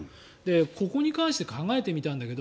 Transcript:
ここに関して考えてみたんだけど